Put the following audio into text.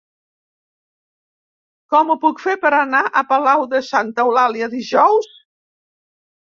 Com ho puc fer per anar a Palau de Santa Eulàlia dijous?